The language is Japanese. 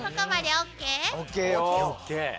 ＯＫＯＫ！